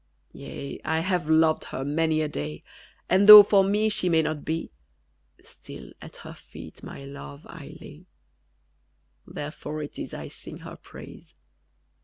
_ Yea, I have loved her many a day; And though for me she may not be, Still at her feet my love I lay: _Therefore it is I sing her praise.